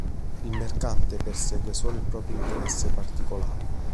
Il mercante persegue solo il proprio interesse particolare.